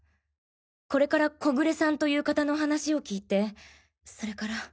これから小暮さんという方の話を聞いてそれから。